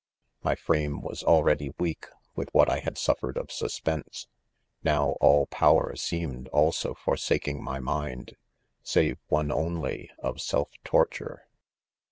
i My frame was already weak with what I THE .CONFESSIONS lit had suffered of suspense ; now all power seem ed also forsaking my mind, save one only of self torture.